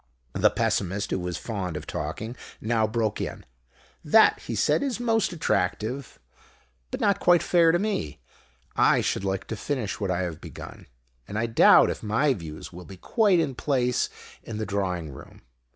The Pessimist, who was fond of talking, now broke in. "That," he said, "is most attractive, but not quite fair to me. I should like to finish what I have begun. And I doubt if my views will be quite in place in the drawing room.